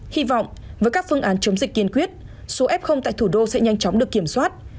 hy vọng với các phương án chống dịch kiên quyết số f tại thủ đô sẽ nhanh chóng được kiểm soát